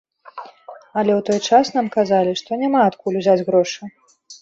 Але ў той час нам казалі, што няма адкуль узяць грошы.